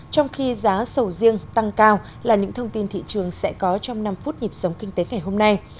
trong khi giá sầu riêng tăng cao là những thông tin thị trường sẽ có trong năm phút nhịp sống kinh tế ngày hôm nay